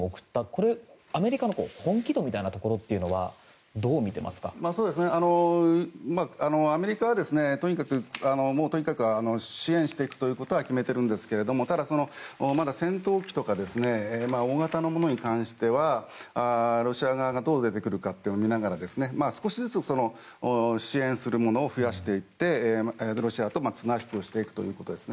これアメリカの本気度みたいなところはアメリカはとにかく支援していくということは決めているんですけれどもまだ戦闘機とか大型のものに関してはロシア側がどう出てくるかを読みながら少しずつ支援するものを増やしていってロシアと綱引きをしていくということです。